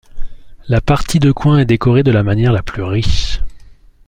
La partie de coin est décorée de la manière la plus riche.